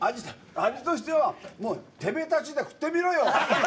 味としてはてめえたちで食ってみろよ！